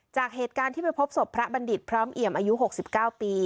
จากเหตุการณ์ที่ไปพบศพพระบัณฑิตพร้อมเอี่ยมอายุ๖๙ปี